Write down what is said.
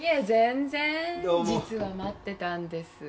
実は待ってたんです。